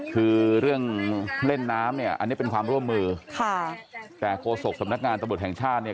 คือเรื่องเล่นน้ำเนี่ยอันนี้เป็นความร่วมมือค่ะแต่โฆษกสำนักงานตำรวจแห่งชาติเนี่ย